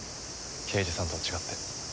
刑事さんとは違って。